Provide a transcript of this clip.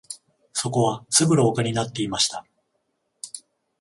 そこはすぐ廊下になっていました